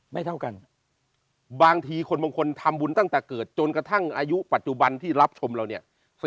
เท่ากันบางทีคนบางคนทำบุญตั้งแต่เกิดจนกระทั่งอายุปัจจุบันที่รับชมเราเนี่ย